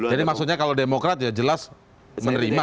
jadi maksudnya kalau demokrat ya jelas menerima